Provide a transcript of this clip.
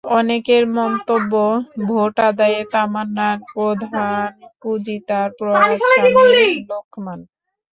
অনেকের মন্তব্য, ভোট আদায়ে তামান্নার প্রধান পুঁজি তাঁর প্রয়াত স্বামী লোকমান।